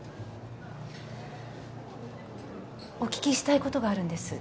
お聞きしたいことがあるんです。